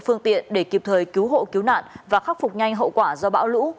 phương tiện để kịp thời cứu hộ cứu nạn và khắc phục nhanh hậu quả do bão lũ